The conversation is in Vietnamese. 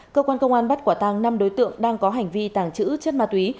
cơ quan công an bắt quả tăng năm đối tượng đang có hành vi tàng trữ chất ma túy